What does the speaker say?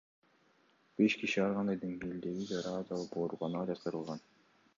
Беш киши ар кандай деңгээлдеги жараат алып, ооруканага жаткырылган.